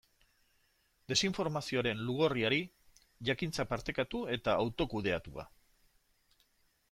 Desinformazioaren lugorriari, jakintza partekatu eta autokudeatua.